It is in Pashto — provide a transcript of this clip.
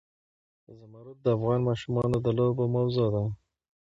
زمرد د افغان ماشومانو د لوبو موضوع ده.